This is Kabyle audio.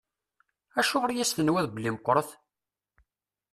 Acuɣer i as-tenwiḍ belli meqqṛet?